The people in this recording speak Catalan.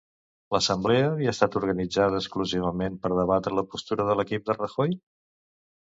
L'assemblea havia estat organitzada exclusivament per debatre la postura de l'equip de Rajoy?